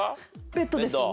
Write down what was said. ベッドです。